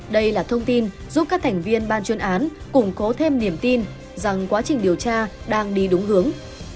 đây là thông tin giúp các thành viên ban chuyên án củng cố thêm niềm tin rằng quá trình điều tra đang đi đúng hướng